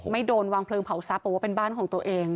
ไม่โดนวางเพลิงเผาทรัพย์บอกว่าเป็นบ้านของตัวเอง